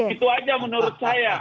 itu aja menurut saya